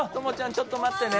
ちょっと待ってね。